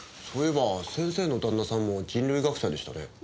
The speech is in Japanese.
そういえば先生の旦那さんも人類学者でしたね。